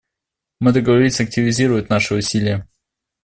Мы договорились активизировать наши усилия.